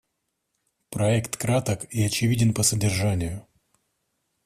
Проект краток и очевиден по содержанию.